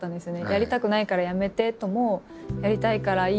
やりたくないからやめてともやりたいからいいよとも言わずに。